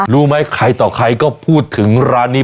รู้ไหมใครต่อใครก็พูดถึงร้านนี้